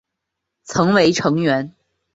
曾为成员。